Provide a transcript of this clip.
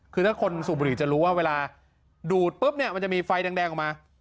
คือถ้าคนสูบบุหรี่จะรู้ว่าเวลาดูดปุ๊บเนี่ยมันจะมีไฟแดงออกมา